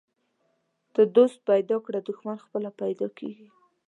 ته دوست پیدا کړه، دښمن پخپله پیدا کیږي.